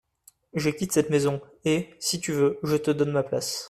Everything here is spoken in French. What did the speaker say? Je quitte cette maison, et, si tu veux, je te donne ma place.